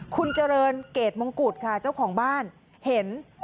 คุณเจริญเกรดมงกุฎค่ะเจ้าของบ้านเห็น